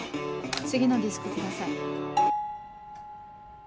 次のディスクください。